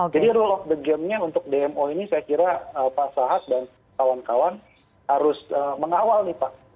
jadi rule of the game nya untuk dmo ini saya kira pak sahas dan kawan kawan harus mengawal nih pak